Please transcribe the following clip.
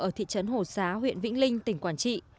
ở thị trấn hồ xá huyện vĩnh linh tỉnh quảng trị